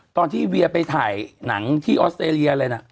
ตอนที่เวียไปถ่ายหนังที่ออสเตรเลียอะไรน่ะ